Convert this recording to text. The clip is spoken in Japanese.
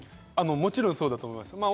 もちろんそうだと思います。